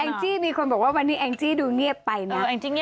แองซี่มีคนบอกว่าวันนี้แองซี่ดูเงียบไปอย่างนี้